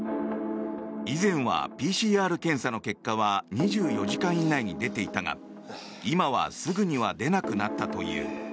以前はＰＣＲ検査の結果は２４時間以内に出ていたが今はすぐには出なくなったという。